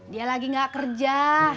dia lagi gak kerja